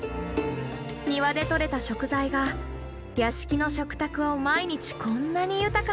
庭で採れた食材が屋敷の食卓を毎日こんなに豊かにしてくれる。